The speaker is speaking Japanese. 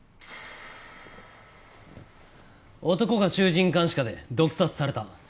男が衆人環視下で毒殺された。